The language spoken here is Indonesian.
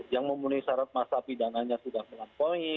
yang memenuhi syarat masa pidananya sudah melampaui